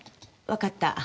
わかった。